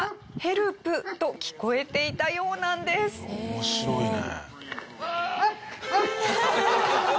面白いね。